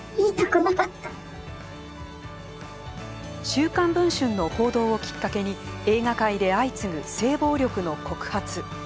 週刊文春の報道をきっかけに映画界で相次ぐ性暴力の告発。